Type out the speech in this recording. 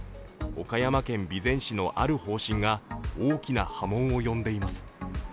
岡山県備前市のある方針が大きな波紋を呼んでいます。